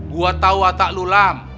gua tau watak lu lam